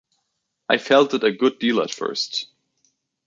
I felt it a good deal at first.